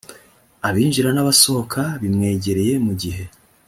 abinjira n ‘abasohohoka bimwegereye mu gihe